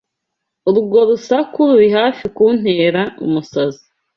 Urwo rusaku ruri hafi kuntera umusazi.